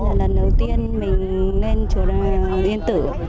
và đây là lần đầu tiên mình lên chùa yên tử